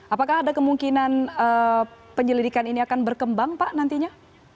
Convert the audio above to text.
apakah ada kemungkinan penyelidikan ini akan berkembang pak nantinya